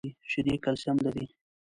شیدې کلسیم لري .